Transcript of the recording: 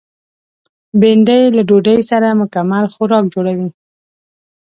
بېنډۍ له ډوډۍ سره مکمل خوراک جوړوي